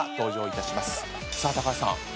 高橋さん